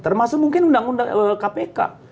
termasuk mungkin undang undang kpk